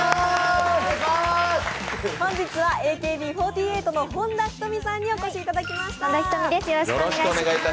本日はＡＫＢ４８の本田仁美さんにお越しいただきました。